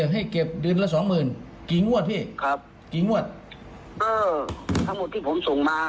ให้เก็บเดือนละสองหมื่นกี่งวดพี่ครับกี่งวดเออทั้งหมดที่ผมส่งมา